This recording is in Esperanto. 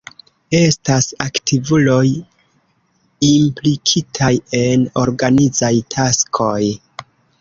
Estas aktivuloj implikitaj en organizaj taskoj.